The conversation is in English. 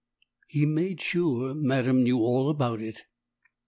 I made sure madam knew all about it."